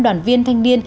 đoàn viên thanh niên